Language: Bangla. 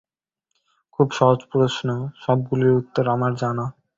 খুব সহজ প্রশ্ন, সবগুলির উত্তর আমার জানা।